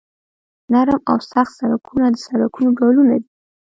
نرم او سخت سرکونه د سرکونو ډولونه دي